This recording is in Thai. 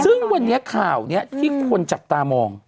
ซึ่งวันนี้ข่าวนี้ที่คนจับตามอง